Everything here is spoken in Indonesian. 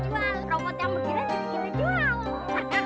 robot yang berkira jadi kira jual